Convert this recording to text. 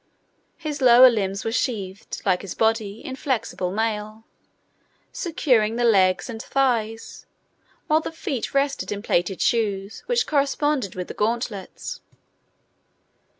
His lower limbs were sheathed, like his body, in flexible mail, securing the legs and thighs, while the feet rested in plated shoes, which corresponded with the gauntlets.